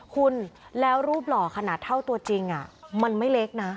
คุณแล้วรูปหล่อขนาดเท่าตัวจริงมันไม่เล็กนะ